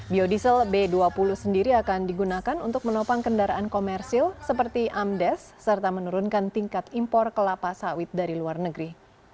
biodiesel b dua puluh sendiri akan digunakan untuk menopang kendaraan komersil seperti amdes serta menurunkan tingkat impor kelapa sawit dari luar negeri